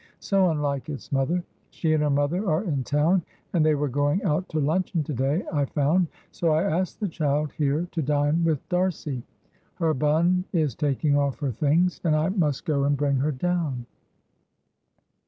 So unlike its mother! She and her mother are in town, and they were going out to luncheon to day I found, so I asked the child here to dine with D'Arcy. Her bonne is taking off her things, and I must go and bring her down."